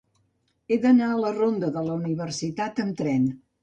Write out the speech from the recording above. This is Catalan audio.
He d'anar a la ronda de la Universitat amb tren.